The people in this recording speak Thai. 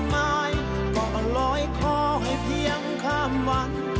อย่าพาเจ้าไป